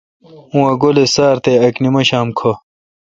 اُن ا ک گولے°سار تےاک نمشام کھہ